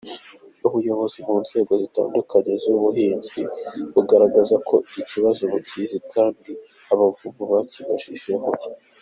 Ubuyobozi mu nzego zitandukanye z’ubuhinzi bugaragza ko iki kibazo bukizi kandi abavumvu bakibagejejeho.